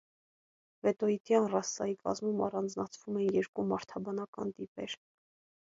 Վեդդոիդյան ռասայի կազմում առանձնացվում են երկու մարդաբանական տիպեր։